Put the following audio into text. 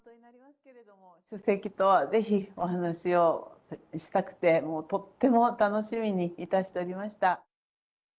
主席とはぜひお話をしたくて、もうとっても楽しみにいたしておりました。